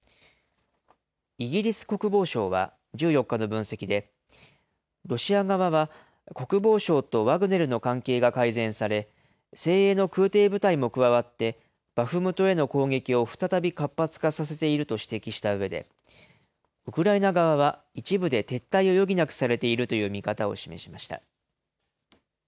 イギリス国防省は１４日の分析で、ロシア側は国防省とワグネルの関係が改善され、精鋭の空てい部隊も加わってバフムトへの攻撃を再び活発化させていると指摘したうえで、ウクライナ側は一部で撤退を余儀なくされているという見方を示しました。